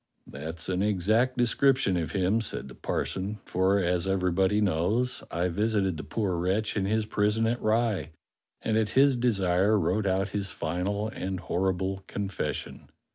"That's an exact description of him," said the par son, "for, as everybody knows, I visited the poor wretch in his prison at Rye, and at his desire wrote out his final and horrible confession."